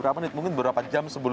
dari kokpit pesawat tempur